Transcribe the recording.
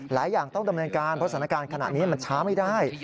หลายอย่างต้องดำเนินการเพราะสถานการณ์ขณะนี้มันช้าไม่ได้